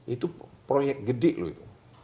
itu proyek gede loh itu